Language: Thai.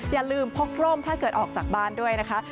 อย่าลืมพกร่มถ้าเกิดออกจากบ้านด้วยนะคะ